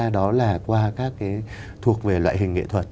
đó là qua các cái thuộc về loại hình nghệ thuật